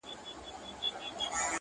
له لوري هم غوره وګڼل سي